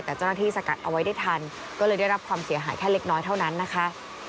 แต่เจ้าหน้าที่สกัดเอาไว้ได้ทันก็เลยได้รับความเสียหายแค่เล็กน้อยเท่านั้นนะคะ